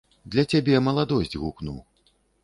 Для цябе маладосць гукну.